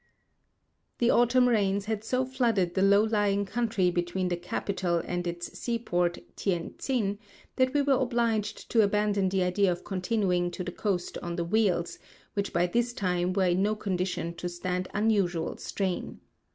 ON THE PEI HO. VI 195 The autumn rains had so flooded the low lying country between the capital and its seaport, Tientsin, that we were obliged to abandon the idea of continuing to the coast on the wheels, which by this time were in no condition to stand unusual strain.